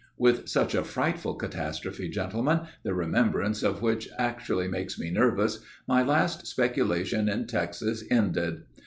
_' "With such a frightful catastrophe, gentlemen, the remembrance of which actually makes me nervous, my last speculation in Texas ended.